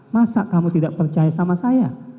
masa kamu tidak percaya sama saya